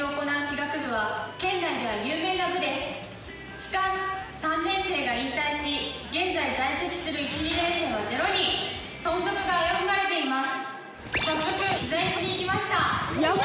しかし、３年生が引退し、現在在籍する１２年生は０人、存続が危ぶまれています。